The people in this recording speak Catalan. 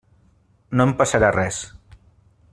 No em passarà res.